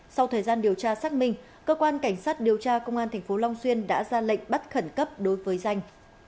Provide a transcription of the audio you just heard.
sau thời gian điều tra xác minh cơ quan cảnh sát điều tra công an tp long xuyên đã ra lệnh bắt khẩn cấp đối với danh